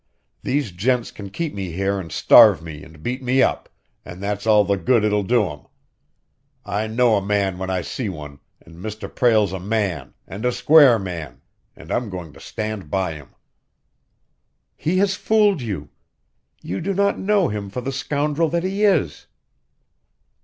These gents can keep me here and starve me and beat me up, and that's all the good it'll do 'em. I know a man when I see one, and Mr. Prale's a man, and a square man, and I'm goin' to stand by him!" "He has fooled you! You do not know him for the scoundrel that he is."